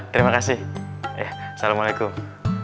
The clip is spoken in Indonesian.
terima kasih assalamualaikum